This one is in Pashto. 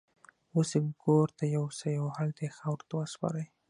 اوس يې ګور ته يوسئ او هلته يې خاورو ته وسپارئ.